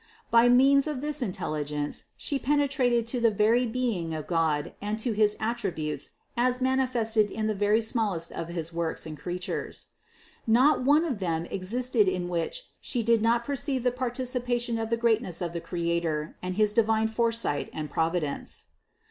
By means of this intelligence She pene trated to the very being of God and to his attributes as manifested in the very smallest of his works and crea tures. Not one of them existed in which She did not per ceive the participation of the greatness of the Creator and his divine foresight and providence.